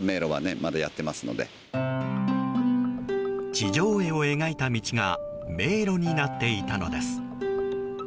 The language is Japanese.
地上絵を描いた道が迷路になっていたのです。